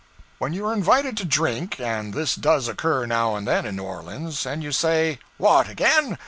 When you are invited to drink, and this does occur now and then in New Orleans and you say, 'What, again?